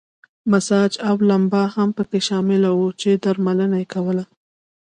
مساج او لمبا هم پکې شامل وو چې درملنه یې کوله.